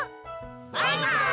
バイバーイ！